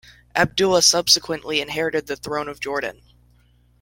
Abdullah subsequently inherited the throne of Jordan.